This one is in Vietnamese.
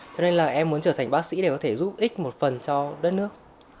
cho nên là em muốn trở thành bác sĩ để có thể giúp ích một phần cho đất nước